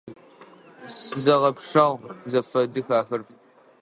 Сызэгъэпшагъ, зэфэдых ахэр!